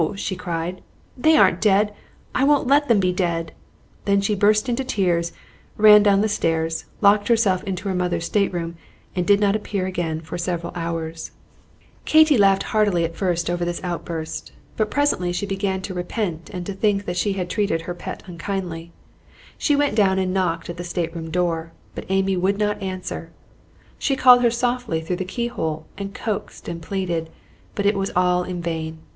she cried; "they aren't dead! I won't let them be dead!" Then she burst into tears, ran down the stairs, locked herself into her mother's stateroom, and did not appear again for several hours. Katy laughed heartily at first over this outburst, but presently she began to repent and to think that she had treated her pet unkindly. She went down and knocked at the stateroom door; but Amy would not answer. She called her softly through the key hole, and coaxed and pleaded, but it was all in vain.